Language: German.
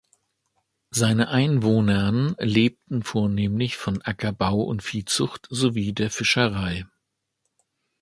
Seine Einwohnern lebten vornehmlich von Ackerbau und Viehzucht sowie der Fischerei.